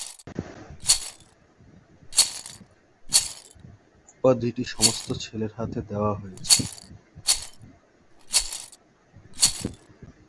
উপাধিটি সমস্ত ছেলের হাতে দেওয়া হয়েছে।